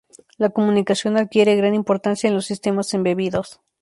La comunicación adquiere gran importancia en los sistemas embebidos.